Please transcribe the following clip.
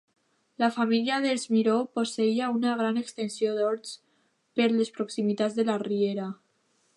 La família dels Miró posseïa una gran extensió d'horts per les proximitats de la riera.